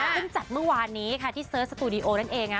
เพิ่งจัดเมื่อวานนี้ค่ะที่เสิร์ชสตูดิโอนั่นเองนะ